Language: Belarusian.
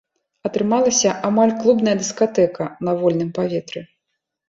Атрымалася амаль клубная дыскатэка на вольным паветры.